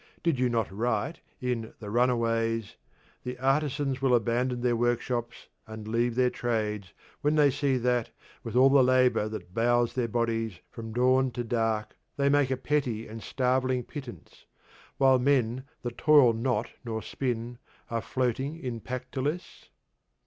Do you not write, in 'The Runaways,' 'The artisans will abandon their workshops, and leave their trades, when they see that, with all the labour that bows their bodies from dawn to dark, they make a petty and starveling pittance, while men that toil not nor spin are floating in Pactolus'?